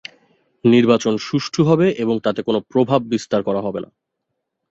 নির্বাচন সুষ্ঠু হবে এবং তাতে কোনো প্রভাব বিস্তার করা হবে না।